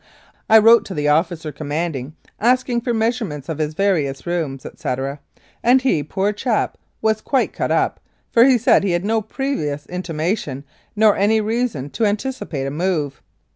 I wrote to the officer com manding asking for measurements of his various rooms, etc., and he, poor chap, was quite cut up, for he said he had no previous intimation nor any reason to antici pate a move.